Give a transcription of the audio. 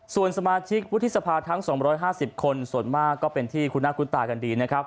ส่วนสมาธิกษ์พุทธศภาทั้ง๒๕๐คนส่วนมากก็เป็นที่คุณะคุณตากันดี